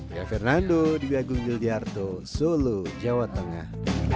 saya fernando di bia gunjung jelijarto solo jawa tengah